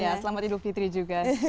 iya selamat idul fitri juga